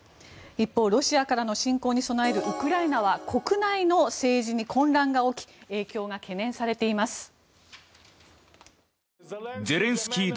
一方ロシアからの侵攻に備えるウクライナは国内の政治に混乱が起き影響が懸念されています。